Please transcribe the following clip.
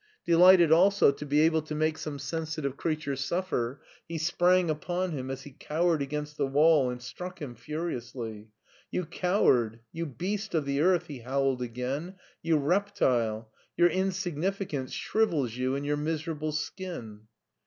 Delighted also to be able to make some sensitive creature suffer, he sprang upon him as he cowered against the wall and struck him furiously. "You coward! you beast of the earth !" he howled again, " you reptile ! Your insignificance shrivels you in your miserable skin."